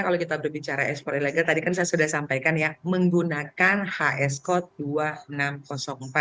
kalau kita berbicara ekspor ilegal tadi kan saya sudah sampaikan ya menggunakan hs code dua ribu enam ratus empat